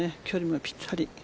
距離もぴったり。